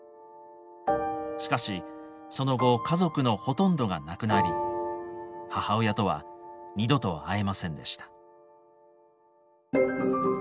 しかしその後家族のほとんどが亡くなり母親とは二度と会えませんでした。